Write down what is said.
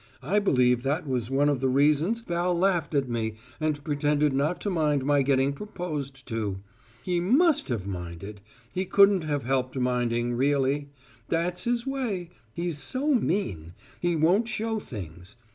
I believe that was one of the reasons Val laughed at me and pretended not to mind my getting proposed to. He must have minded; he couldn't have helped minding it, really. That's his way; he's so mean he won't show things.